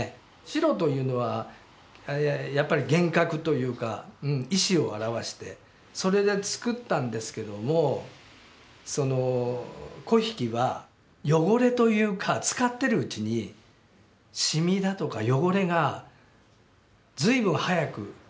白というのはやっぱり厳格というか意思を表してそれで作ったんですけどもその粉引は汚れというか使ってるうちに染みだとか汚れが随分早くついちゃうんですよ。